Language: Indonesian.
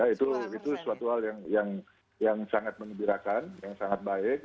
itu suatu hal yang sangat mengembirakan yang sangat baik